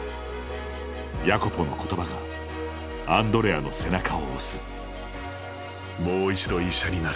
ヤコポの言葉がアンドレアの背中を押すもう一度医者になる。